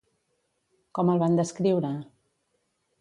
Com el van descriure?